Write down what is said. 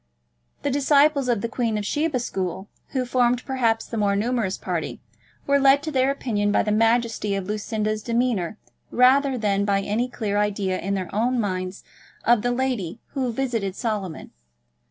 The disciples of the Queen of Sheba school, who formed, perhaps, the more numerous party, were led to their opinion by the majesty of Lucinda's demeanour rather than by any clear idea in their own minds of the lady who visited Solomon.